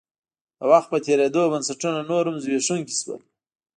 د وخت په تېرېدو بنسټونه نور هم زبېښونکي شول.